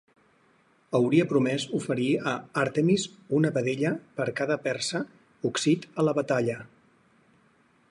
Hauria promès oferir a Àrtemis una vedella per cada persa occit a la batalla.